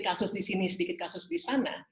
kasus di sini sedikit kasus di sana